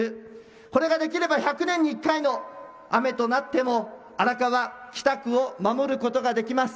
これができれば１００年に１回の雨となっても荒川、北区を守ることができます。